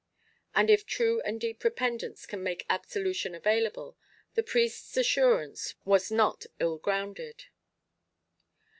And if true and deep repentance can make absolution available, the priest's assurance was not ill grounded.